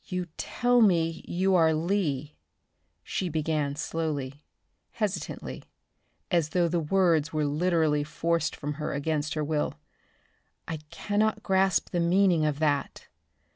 "You tell me you are Lee," she began slowly, hesitantly, as though the words were literally forced from her against her will. "I cannot grasp the meaning of that.